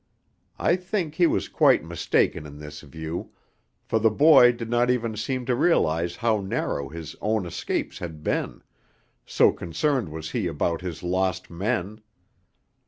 I think he was quite mistaken in this view, for the boy did not even seem to realize how narrow his own escapes had been, so concerned was he about his lost men.